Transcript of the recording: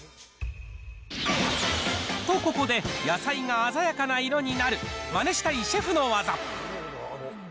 と、ここで野菜が鮮やかな色になる、マネしたいシェフの技。